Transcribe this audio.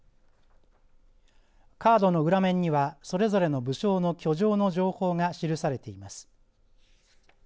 カードの裏面にはそれぞれの武将の居城の情報が記されています。